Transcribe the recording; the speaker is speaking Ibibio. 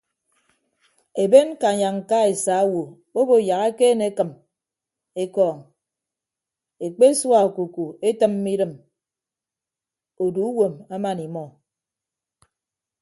Eben ñkanya ñka esa owo obo yak ekeene ekịm ekọọñ ekpesua okuku etịmme idịm odu uwom aman imọ.